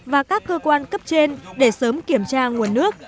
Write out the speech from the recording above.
và các cơ quan cấp trên để sớm kiểm tra nguồn nước